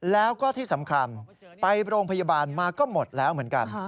แล้วก็ที่สำคัญไปโรงพยาบาลมาก็หมดแล้วเหมือนกัน